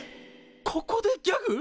ここでギャグ！？